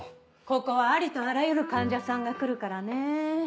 ここはありとあらゆる患者さんが来るからね。